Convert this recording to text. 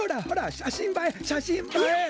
しゃしんばえしゃしんばえ！